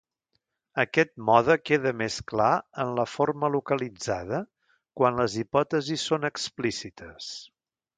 Aquest mode queda més clar en la forma localitzada quan les hipòtesis són explícites.